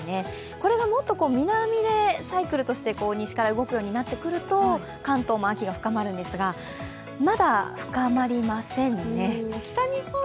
これがもっと南でサイクルに西から動くようになると関東も秋が深まるんですが、まだ深まりませんね。